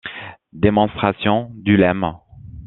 Démonstration du lemme.